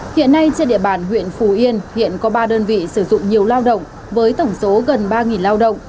hiện nay trên địa bàn huyện phù yên hiện có ba đơn vị sử dụng nhiều lao động với tổng số gần ba lao động